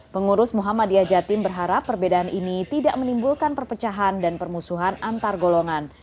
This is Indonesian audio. pengurus muhammadiyah jatim berharap perbedaan ini tidak menimbulkan perpecahan dan permusuhan antar golongan